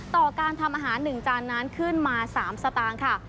ต่อการทำอาหาร๑จานนั้นขึ้นมา๓สตางค์ค่ะ